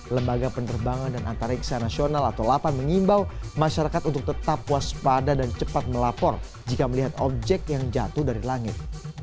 lembaga penerbangan dan antariksa nasional atau lapan mengimbau masyarakat untuk tetap waspada dan cepat melapor jika melihat objek yang jatuh dari langit